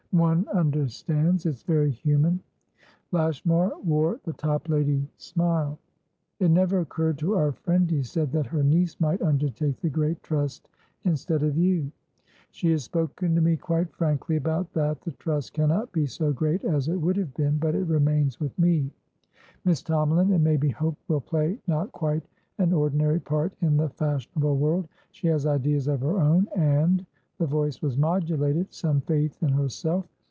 One understands. It's very human." Lashmar wore the Toplady smile. "It never occurred to our friend," he said, "that her niece might undertake the great trust instead of you?" "She has spoken to me quite frankly about that. The trust cannot be so great as it would have been, but it remains with me. Miss Tomalin, it may be hoped, will play not quite an ordinary part in the fashionable world; she has ideas of her own, and"the voice was modulated"some faith in herself.